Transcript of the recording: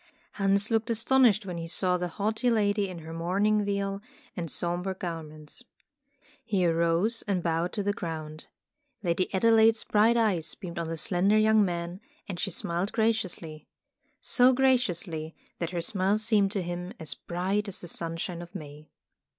Hans looked astonished when he saw the haughty lady in her mourning veil and somber garments. He arose and bowed to the ground. Lady Adelaide's bright eyes beamed on the slender young man, and she smiled graciously. So graciously, that her smile seemed to him as bright as the sunshine of May.